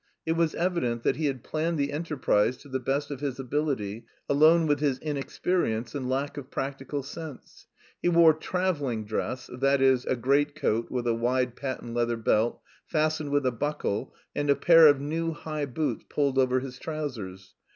It was evident that he had planned the enterprise to the best of his ability, alone with his inexperience and lack of practical sense. He wore "travelling dress," that is, a greatcoat with a wide patent leather belt, fastened with a buckle and a pair of new high boots pulled over his trousers.